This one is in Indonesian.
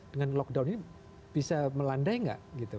dengan lockdown ini bisa melandai nggak gitu